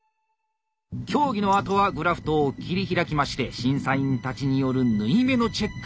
競技のあとはグラフトを切り開きまして審査員たちによる縫い目のチェックが始まります。